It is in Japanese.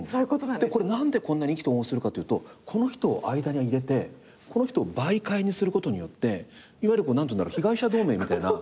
何でこんなに意気投合するかというとこの人を間に入れてこの人を媒介にすることによっていわゆる被害者同盟みたいな。